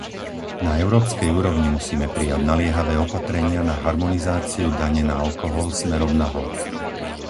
Na európskej úrovni musíme prijať naliehavé opatrenia na harmonizáciu dane na alkohol smerom nahor.